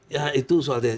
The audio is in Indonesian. ya itu soalnya